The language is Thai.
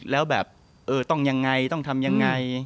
แล้วแบบเออต้องยังไงต้องทำยังไง